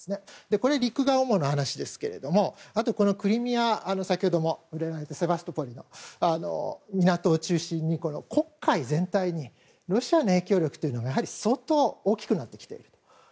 これは陸が主な話ですがクリミア、先ほど出てきましたセバストポリの港を中心に黒海全体にロシアの影響力が相当大きくなってきている。